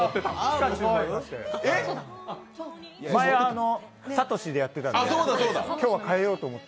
前、サトシでやってたんで、今日は変えようと思って。